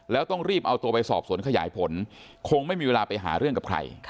แล้วต้องรีบเอาตัวไปสอบสวนขยายผลคงไม่มีเวลาไปหาเรื่องกับใคร